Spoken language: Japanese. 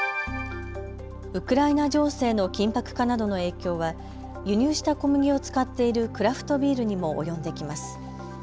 ウクライナ情勢の緊迫化などの影響は輸入した小麦を使っているクラフトビールにも及んできます。